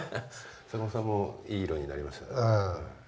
坂本さんもいい色になりましたね。